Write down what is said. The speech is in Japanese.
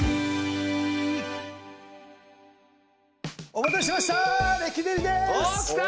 お待たせしました！